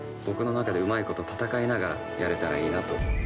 僕の中でうまいこと戦いながらやれたらいいなと。